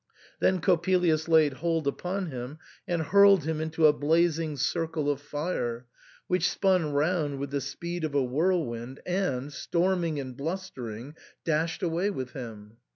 Then Coppelius laid hold upon him, and hurled him into a blazing circle of fire, which spun round with the speed of a whirlwind, and, storming and blustering, dashed away with him.